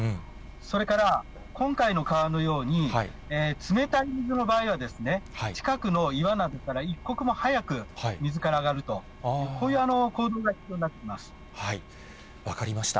それから、今回の川のように、冷たい水の場合は、近くの岩などから、一刻も早く水から上がるという、こういう行動分かりました。